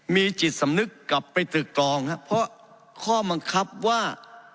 มีจิตสำนึกกลับไปตึกตรองครับเพราะข้อบังคับว่า